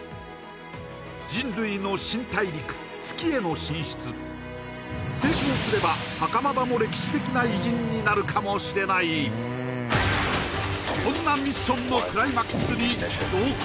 人類の新大陸月への進出成功すればなるかもしれないそんなミッションのクライマックスに同行！